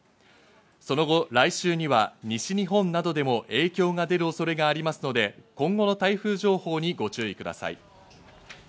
その後、来週には西日本などでも影響が出る恐れがありますので、今後の台風情報にご注意ください。